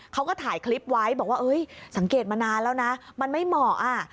เขาก็ถ่ายคลิปไว้บอกว่าสังเกตมานานแล้วนะมันไม่เหมาะ